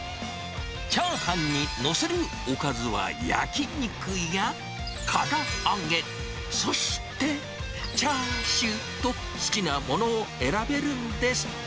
チャーハンに載せるおかずは焼き肉やから揚げ、そして、チャーシューと、好きなものを選べるんです。